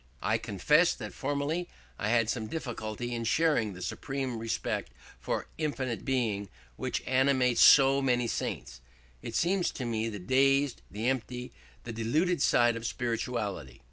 I confess that formerly I had some difficulty in sharing the supreme respect for infinite Being which animates so many saints: it seemed to me the dazed, the empty, the deluded side of spirituality.